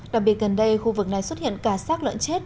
đặc biệt gần đây khu vực này xuất hiện cả sác lợn chết